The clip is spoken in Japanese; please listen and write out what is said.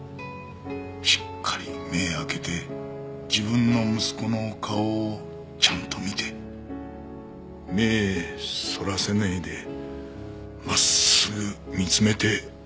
しっかり目ぇ開けて自分の息子の顔をちゃんと見て目ぇそらさないで真っすぐ見つめて。